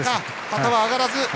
旗は上がらず。